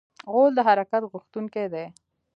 غول د حرکت غوښتونکی دی.